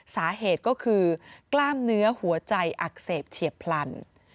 สาเหตุก็คือกล้ามเนื้อหัวใจอักเสบเฉียบพลัน